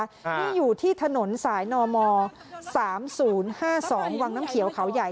ที่อยู่ที่ถนนสายนม๓๐๕๒วังน้ำเขียวเขาใหญ่